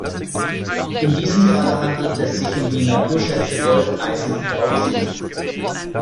In diesem Falle handelt es sich um die Naturschätze Gold, Eisen und Bauxit.